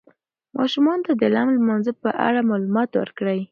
ماشومانو ته د لم لمانځه په اړه معلومات ورکړئ.